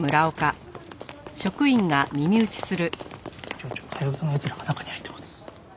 町長ハヤブサの奴らが中に入ってます。